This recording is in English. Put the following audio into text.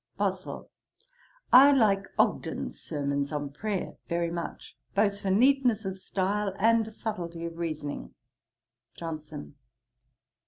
BOSWELL. 'I like Ogden's Sermons on Prayer very much, both for neatness of style and subtilty of reasoning.' JOHNSON.